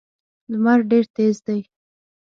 لمر ډېر تېز دی.